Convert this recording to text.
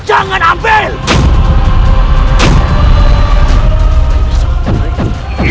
aku tidak peduli